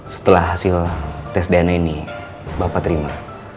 setelah hasil tes dna ini bapak terima